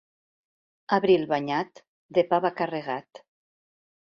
Abril banyat, de pa va carregat.